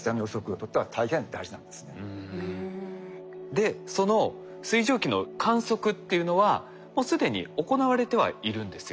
でその水蒸気の観測っていうのはもう既に行われてはいるんですよ。